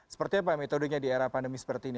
seperti apa metodenya di era pandemi seperti ini